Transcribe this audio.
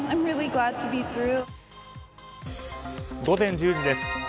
午前１０時です。